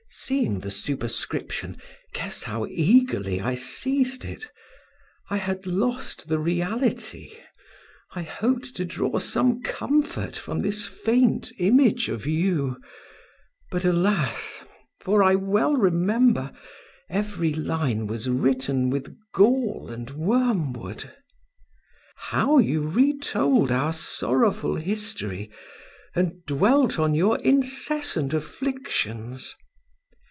Seeing the superscription, guess how eagerly I seized it! I had lost the reality; I hoped to draw some comfort from this faint image of you. But alas! for I well remember every line was written with gall and wormwood. How you retold our sorrowful history, and dwelt on your incessant afflictions!